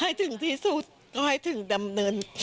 ให้ถึงที่สุดก็ให้ถึงดำเนิน